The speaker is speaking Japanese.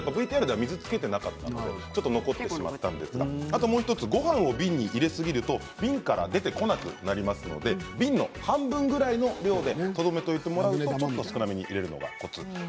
ＶＴＲでは水を付けていなかったので、ちょっと残ってしまったんですがあと、もう１つごはんを瓶に入れすぎると、瓶から出てこなくなりますので瓶の半分くらいの量でとどめておいてちょっと少なめに入れるのがコツ。